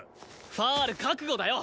ファウル覚悟だよ